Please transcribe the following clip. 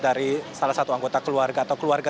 dari salah satu anggota keluarga atau keluarga